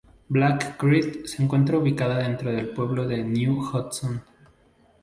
Black Creek se encuentra ubicada dentro del pueblo de New Hudson.